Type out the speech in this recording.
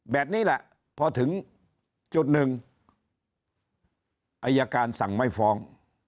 แบบนี้แหละพอถึงจุดหนึ่งอายการสั่งไม่ฟ้อง